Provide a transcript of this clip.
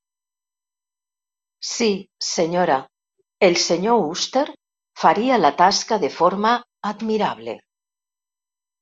Sí, senyora, el senyor Wooster faria la tasca de forma admirable.